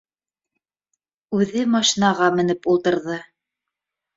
Үҙе машинаға ме неп ултырҙы